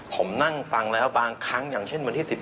ผมนั่งฟังแล้วบางครั้งอย่างเช่นวันที่๑๘